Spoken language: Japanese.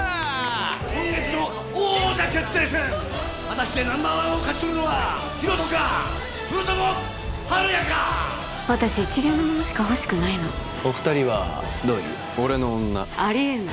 今月の王者決定戦果たしてナンバーワンを勝ち取るのはヒロトかそれともハルヤか私一流のものしか欲しくないのお二人はどういう俺の女ありえない